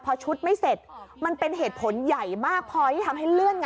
พอชุดไม่เสร็จมันเป็นเหตุผลใหญ่มากพอที่ทำให้เลื่อนไง